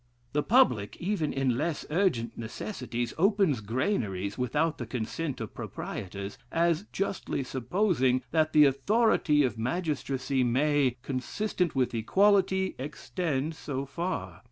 The public, even in less urgent necessities, opens granaries without the consent of proprietors; as justly supposing, that the authority of magistracy may, consistent with equity, extend so far.